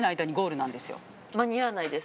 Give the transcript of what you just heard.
間に合わないです。